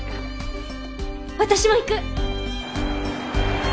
私も行く！